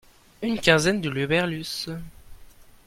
Une quinzaine d'huluberlus.